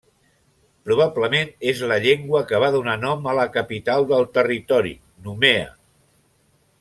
Probablement és la llengua que va donar nom a la capital del territori, Nouméa.